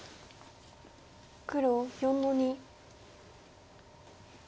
黒４の二。